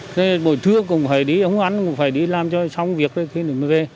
thế bữa trưa cũng phải đi ống ánh cũng phải đi làm cho xong việc rồi khi mới về